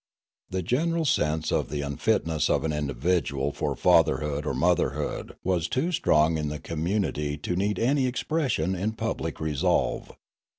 The general sense of the unfitness of an individual for fatherhood or motherhood was too strong in the community to need any expression in public resolve.